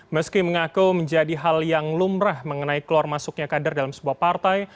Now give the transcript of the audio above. meski mengaku menjadi hal yang lumrah mengenai keluar masuknya kader dalam sebuah partai